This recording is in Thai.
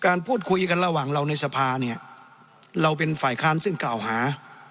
การพูดคุยกันระหว่างเราในสภาเนี่ยเราเป็นฝ่ายค้านซึ่งกล่าวหา